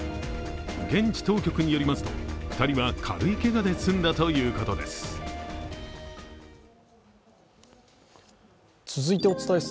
現地当局によりますと、２人は軽いけがで済んだということです。